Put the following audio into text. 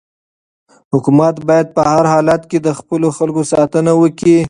حکومت باید په هر حالت کې د خپلو خلکو ساتنه وکړي.